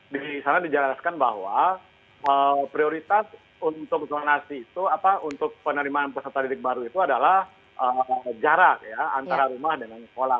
di sana dijelaskan bahwa prioritas untuk zonasi itu apa untuk penerimaan peserta didik baru itu adalah jarak ya antara rumah dengan sekolah